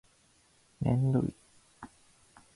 めんどい